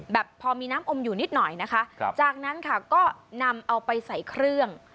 แบบพอมีน้ำอมอยู่นิดหน่อยนะคะจากนั้นค่ะก็นำเอาไปใส่เครื่อง